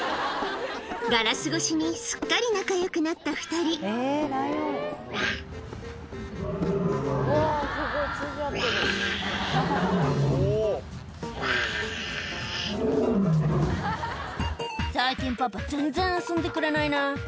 ガラス越しにすっかり仲良くなった２人「最近パパ全然遊んでくれないな」